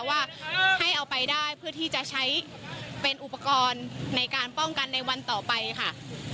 ว่าให้เอาไปได้เพื่อที่จะใช้เป็นอุปกรณ์ในการป้องกันในวันต่อไปค่ะ